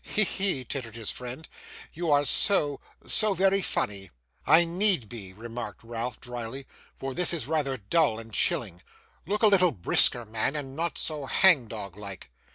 'He, he!' tittered his friend, 'you are so so very funny!' 'I need be,' remarked Ralph, drily, 'for this is rather dull and chilling. Look a little brisker, man, and not so hangdog like!